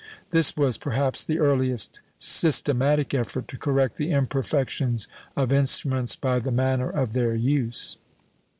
This was perhaps the earliest systematic effort to correct the imperfections of instruments by the manner of their use.